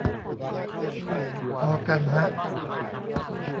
พอกันฮะ